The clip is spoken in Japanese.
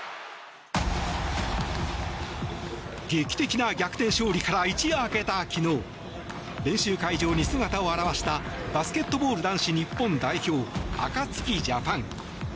劇的な逆転勝利から一夜明けた昨日練習会場に姿を現したバスケットボール男子日本代表アカツキジャパン。